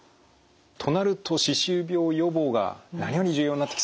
となると歯周病予防が何より重要になってきそうですね。